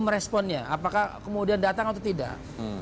meresponnya apakah kemudian datang atau tidak